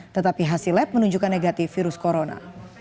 tetapi hasil lab menunjukkan negatif virus corona